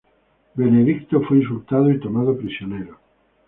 Benedicto fue insultado y tomado prisionero.